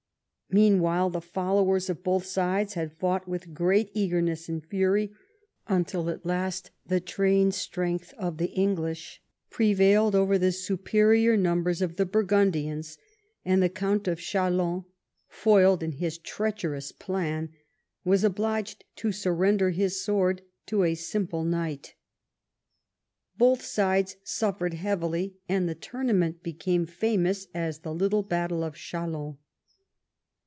Meanwhile the followers of both sides had fought with great eagerness and fury, until at last the trained skill of the English prevailed over the superior numbers of the Burgundians, and the Count of Chalon, foiled in his treacherous plan, Avas obliged to surrender his sword to a simple knight. Both sides suffered heavily, and the tournament became famous as the Little Battle of Chalon.